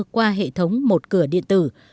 qua hệ thống một cửa điện tử